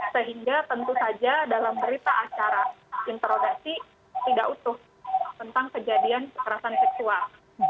sehingga tentu saja dalam berita acara interodasi tidak utuh tentang kejadian kekerasan seksual